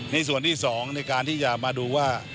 ในส่วนที่๒ในการที่จะมาดูว่า